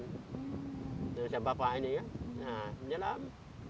misalnya bapak ini ya menjelam